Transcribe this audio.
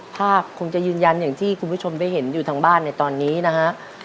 คงจะยืนยันอย่างที่คุณผู้ชมได้เห็นอยู่ทางบ้านในตอนนี้นะฮะ